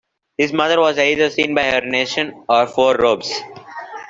His mother was either Seen by Her Nation or Four Robes.